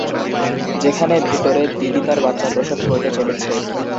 যেখানে ভিতরে, দিদি তার বাচ্চা প্রসব করতে চলেছে।